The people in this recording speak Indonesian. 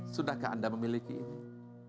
sudahkah anda memiliki ini